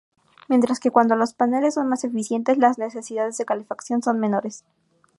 Mientras que cuando los paneles son más eficientes, las necesidades de calefacción son menores.